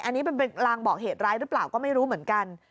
อันนี้เป็นลางบอกเหตุร้ายหรือเปล่าก็ไม่รู้เหมือนกัน